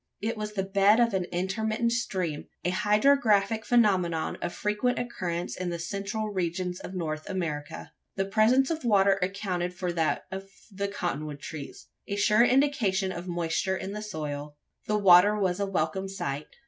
It was the bed of an intermittent stream a hydrographic phenomenon of frequent occurrence in the central regions of North America. The presence of water accounted for that of the cotton wood trees a sure indication of moisture in the soil. The water was a welcome sight.